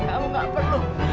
kamu nggak perlu